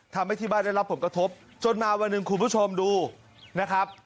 ทำให้ที่บ้านได้รับผลกระทบจนมาวันหนึ่งคุณผู้ชมดูนะครับ